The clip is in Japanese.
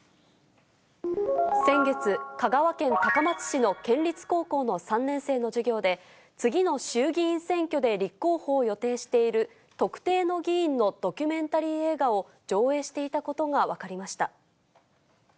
先月、香川県高松市の県立高校の３年生の授業で、次の衆議院選挙で立候補を予定している特定の議員のドキュメンタリー映画を上映していたことが分かりました。